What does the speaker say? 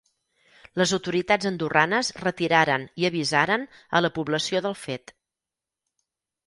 Les autoritats andorranes retiraren i avisaren a la població del fet.